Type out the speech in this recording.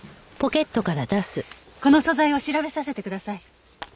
この素材を調べさせてください。